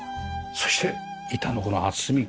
そして板のこの厚み。